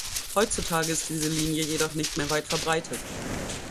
Heutzutage ist diese Linie jedoch nicht mehr weit verbreitet.